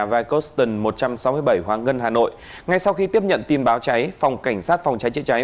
vicoston một trăm sáu mươi bảy hoàng ngân hà nội ngay sau khi tiếp nhận tin báo cháy phòng cảnh sát phòng cháy chữa cháy